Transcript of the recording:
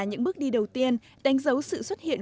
những bước đi đầu tiên đánh dấu sự xuất hiện